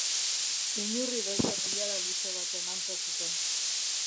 Inurri beltzen ilara luze baten antza zuten.